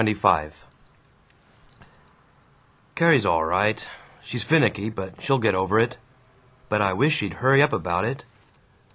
CHAPTER XXV "CARRIE'S all right. She's finicky, but she'll get over it. But I wish she'd hurry up about it!